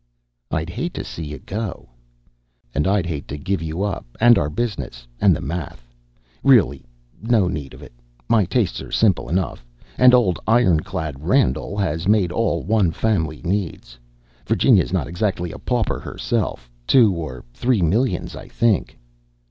"I'd hate to see you go." "And I'd hate to give up you, and our business, and the math. Really no need of it. My tastes are simple enough. And old 'Iron clad' Randall has made all one family needs. Virginia's not exactly a pauper, herself. Two or three millions, I think."